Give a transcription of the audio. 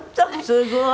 すごい。